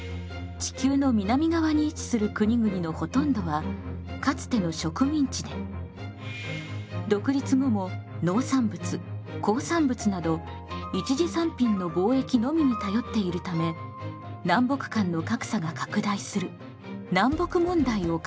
地球の南側に位置する国々のほとんどはかつての植民地で独立後も農産物鉱産物など一次産品の貿易のみに頼っているため南北間の格差が拡大する南北問題を抱えています。